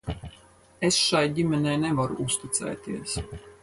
Es šai ģimenei nevaru uzticēties.